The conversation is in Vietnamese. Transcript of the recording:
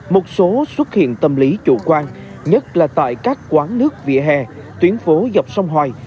một số xuất hiện tâm lý chủ quan nhất là tại các quán nước vỉa hè tuyến phố dọc sông hoài